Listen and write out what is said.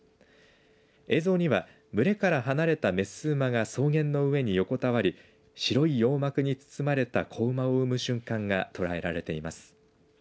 映像には群れから離れた雌馬が草原の上に横たわり白い羊膜に包まれた子馬を産む瞬間が捉えられています。